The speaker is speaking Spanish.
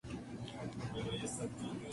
Dawes toma los peniques para el.